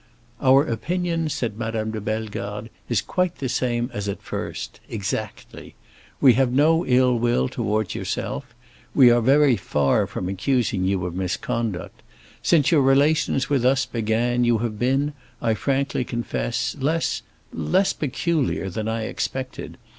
"Our opinion," said Madame de Bellegarde, "is quite the same as at first—exactly. We have no ill will towards yourself; we are very far from accusing you of misconduct. Since your relations with us began you have been, I frankly confess, less—less peculiar than I expected.